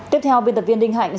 tiếp theo viên tập viên đinh hạnh